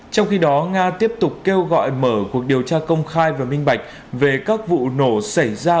trong khi đó nga tiếp tục kêu gọi mở cuộc điều tra công khai và minh bạch về các vụ nổ xảy ra